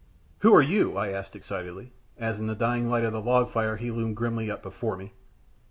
"Who are you?" I asked, excitedly, as in the dying light of the log fire he loomed grimly up before me.